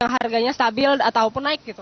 harganya stabil ataupun naik gitu